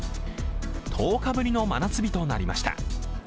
１０日ぶりの真夏日となりました。